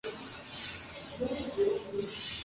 Atsushi Kurokawa